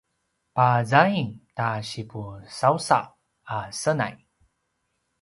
pazaing ta sipusausaw a senay